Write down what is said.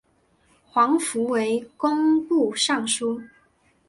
黄福为工部尚书。